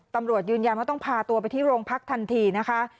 ตำรวจยืนยันว่าต้องพาตัวไปที่โรงพักทันทีนะคะ